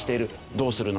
どうするのか。